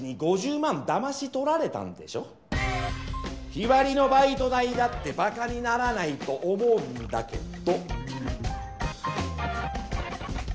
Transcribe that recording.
日割りのバイト代だってバカにならないと思うんだけど？